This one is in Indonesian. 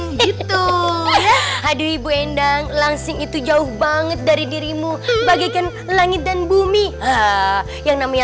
begitu hadir ibu endang langsing itu jauh banget dari dirimu bagikan langit dan bumi yang namanya